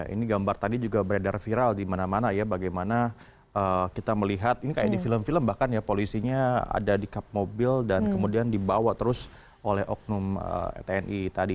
ini gambar tadi juga beredar viral di mana mana ya bagaimana kita melihat ini kayak di film film bahkan ya polisinya ada di kap mobil dan kemudian dibawa terus oleh oknum tni tadi